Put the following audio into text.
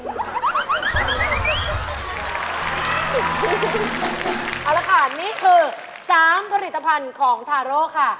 เอาละค่ะนี่คือ๓ผลิตภัณฑ์ของทาโร่ค่ะ